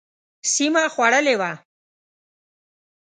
سیمه خوړلې وه.